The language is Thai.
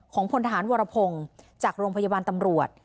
พลทหารวรพงศ์จากโรงพยาบาลตำรวจ